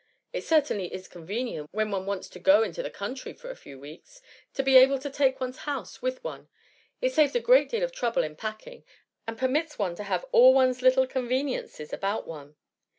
It certainly is convenient, when one wants to go into the country for a few weeks, to be able to take one^s house with one : it saves a great deal of trouble in packing, and permits one to have all one's little conveniences about one.